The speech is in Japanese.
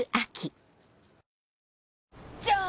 じゃーん！